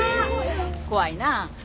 怖いなあ。